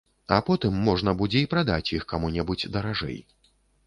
А потым можна будзе і прадаць іх каму-небудзь даражэй.